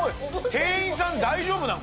店員さん、大丈夫なん？